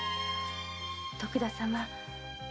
徳田様